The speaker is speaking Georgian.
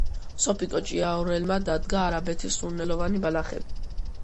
სოფიკო ჭიაურელმა დადგა „არაბეთის სურნელოვანი ბალახები“.